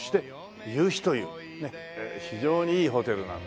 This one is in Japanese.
非常にいいホテルなのでね